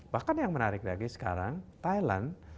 bahkan yang menarik lagi sekarang thailand